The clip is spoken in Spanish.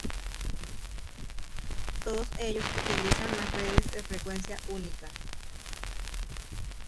Todos ellos utilizan las redes de frecuencia única.